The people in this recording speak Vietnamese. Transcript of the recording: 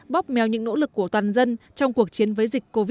bóp mèo những nỗ lực của toàn dân trong cuộc chiến với dịch covid một mươi chín